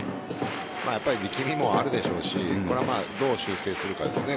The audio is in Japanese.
やっぱり力みもあるでしょうしこれはどう修正するかですね。